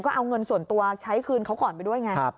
ก็เอาเงินส่วนตัวใช้คืนเขาก่อนไปด้วยไง